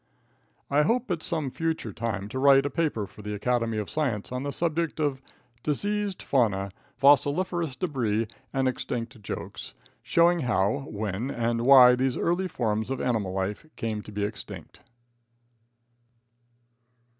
I hope at some future time to write a paper for the Academy of Science on the subject of "Deceased Fauna, Fossiliferous Debris and Extinct Jokes," showing how, when and why these early forms of animal life came to be extinct.